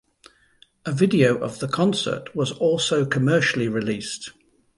A video of the concert was also commercially released.